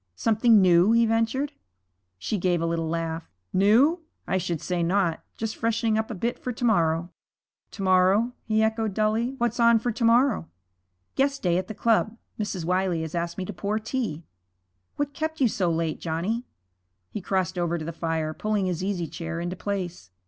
'Something new?' he ventured. She gave a little laugh. 'New? I should say not. Just freshening up a bit for to morrow.' 'To morrow?' he echoed dully. 'What's on for to morrow?' 'Guest day at the club. Mrs. Wiley has asked me to pour tea. What kept you out so late, Johnny?' He crossed over to the fire, pulling his easy chair into place.